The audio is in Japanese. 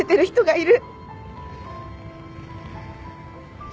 いる。